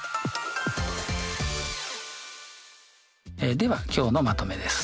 では今日のまとめです。